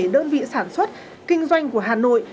hai mươi bảy đơn vị sản xuất kinh doanh của hà nội